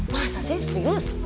masa sih serius